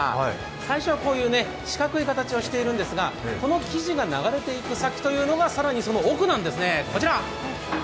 最初は四角い形をしているんですが、この生地が流れていく先というのが更に奥なんですね。